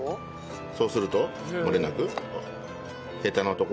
そうするともれなく。